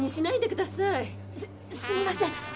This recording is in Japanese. すみません。